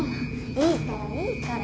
いいからいいから。